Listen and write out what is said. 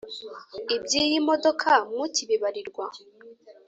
Iby'iyi modoka mukibibarirwa!